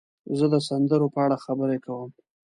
زه د سندرو په اړه خبرې کوم.